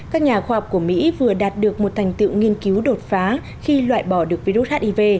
các nhà khoa học của mỹ vừa đạt được một thành tựu nghiên cứu đột phá khi loại bỏ được virus hiv